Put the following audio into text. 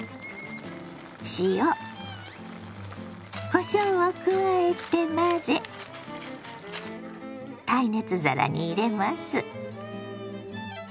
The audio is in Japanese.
塩こしょうを加えて混ぜ耐熱皿に入れます。